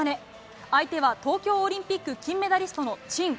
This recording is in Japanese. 相手は東京オリンピック金メダリストのチン。